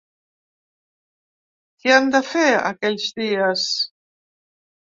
Què han de fer aquells dies?